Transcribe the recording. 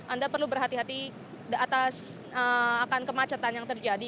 anda perlu berhati hati atas akan kemacetan yang terjadi